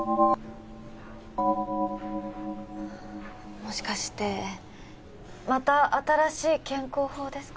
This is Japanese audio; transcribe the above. もしかしてまた新しい健康法ですか？